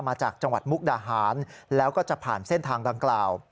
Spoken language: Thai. มาจากจังหวัดมุกดาหารแล้วก็จะผ่านเส้นทางดังกล่าว